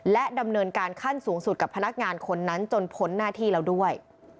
และดำเนินการขั้นสูงสุดกับพนักงานคนนั้นจนพ้นหน้าที่แล้วด้วย